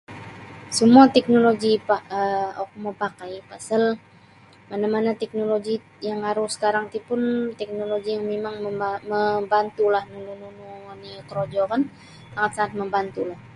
Semua teknologi pa um oku mapakai pasal mana-mana teknologi l yang aru sakarang ti pun teknologi yang mimang ma-ma-membantu lah nunu oni korojo kan sangat-sangat mambantulah.